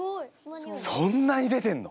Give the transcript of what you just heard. そんなに出てんの？